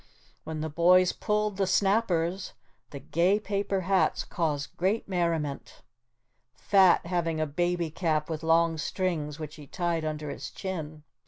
When the boys pulled the snappers, the gay paper hats caused great merriment, Fat having a baby cap with long strings which he tied under his chin.